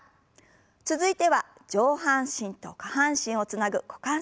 続いては上半身と下半身をつなぐ股関節。